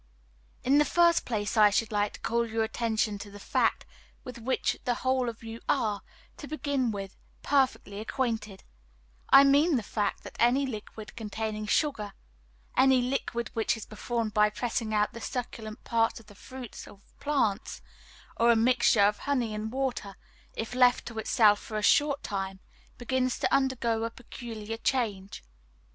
In the first place, I should like to call your attention to a fact with which the whole of you are, to begin with, perfectly acquainted, I mean the fact that any liquid containing sugar, any liquid which is formed by pressing out the succulent parts of the fruits of plants, or a mixture of honey and water, if left to itself for a short time, begins to undergo a peculiar change.